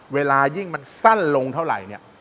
เวลายิ่งมันสั้นลงเท่าไหร่เนี่ย